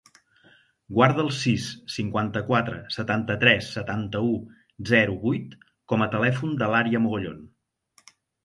Guarda el sis, cinquanta-quatre, setanta-tres, setanta-u, zero, vuit com a telèfon de l'Ària Mogollon.